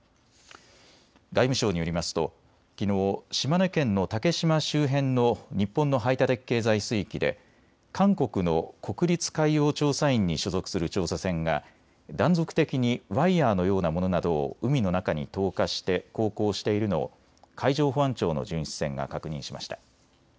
外務省によりますときのう島根県の竹島周辺の日本の排他的経済水域で韓国の国立海洋調査院に所属する調査船が断続的にワイヤーのようなものなどを海の中に投下して航行しているのを海上保安庁の巡視船が確認しました。